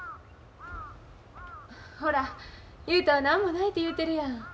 ほら雄太は何もないて言うてるやん。